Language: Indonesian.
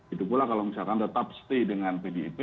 itu pula kalau misalkan tetap stay dengan pdip